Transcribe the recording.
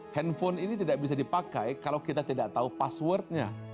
handphone ini tidak bisa dipakai kalau kita tidak tahu passwordnya